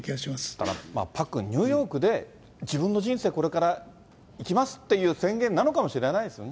だからパックン、ニューヨークで自分の人生、これから生きますっていう宣言なのかもしれないですね。